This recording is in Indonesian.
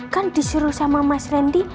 kan disuruh sama mas randy